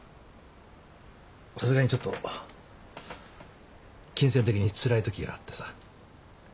さすがにちょっと金銭的につらいときがあってさ。